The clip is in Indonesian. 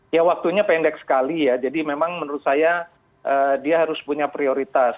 ya waktunya pendek sekali ya jadi memang menurut saya dia harus punya prioritas